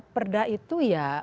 perda itu ya